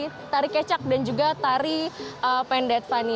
ada juga tari kecak dan juga tari pendet fani